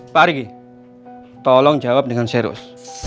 pak arigi tolong jawab dengan serius